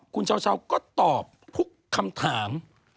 คุณเช้าก็ตอบทุกคำถาม